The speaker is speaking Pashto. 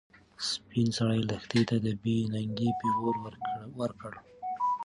سپین سرې لښتې ته د بې ننګۍ پېغور ورکړ.